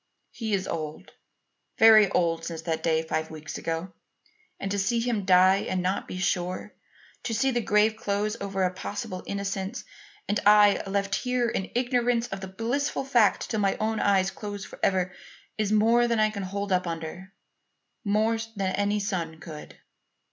He is old very old since that day five weeks ago; and to see him die and not be sure to see the grave close over a possible innocence, and I left here in ignorance of the blissful fact till my own eyes close forever, is more than I can hold up under; more than any son could.